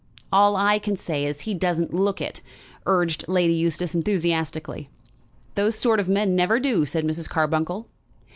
"All I can say is, he doesn't look it," urged Lady Eustace enthusiastically. "Those sort of men never do," said Mrs. Carbuncle.